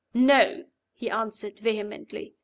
"No!" he answered, vehemently.